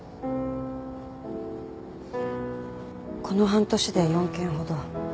この半年で４件ほど。